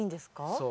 そう。